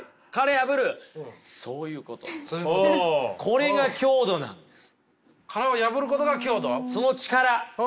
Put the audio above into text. これが強度なんです。